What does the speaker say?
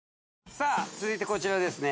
さあ続いてこちらですね